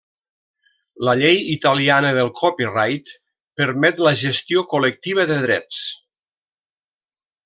La llei italiana del copyright permet la gestió col·lectiva de drets.